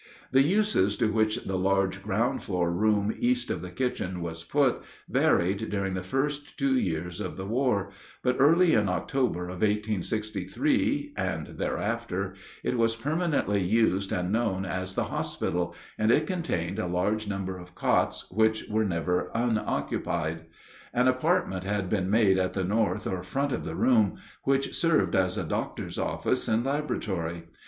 The uses to which the large ground floor room east of the kitchen was put varied during the first two years of the war; but early in October of 1863, and thereafter, it was permanently used and known as the hospital, and it contained a large number of cots, which were never unoccupied. An apartment had been made at the north or front of the room, which served as a doctor's office and laboratory.